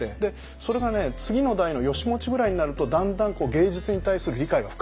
それがね次の代の義持ぐらいになるとだんだん芸術に対する理解が深まるんですよ。